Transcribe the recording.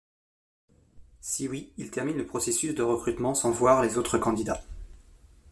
Si oui, il termine le processus de recrutement sans voir les autres candidats.